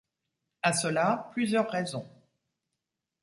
À cela plusieurs raisons.